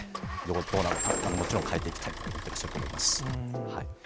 どうなのか、もちろん変えていきたいと思ってらっしゃると思います。